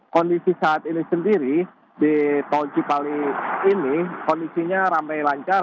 kondisi saat ini sendiri di tol cipali ini kondisinya ramai lancar